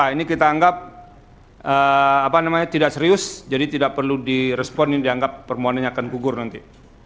ini kita anggap tidak serius jadi tidak perlu direspon yang dianggap permohonannya akan kugur nanti